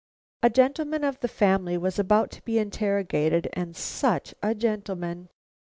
A gentleman of the family was about to be interrogated, and such a gentleman!